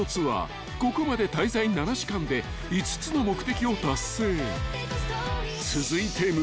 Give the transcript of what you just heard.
ここまで滞在７時間で５つの目的を達成］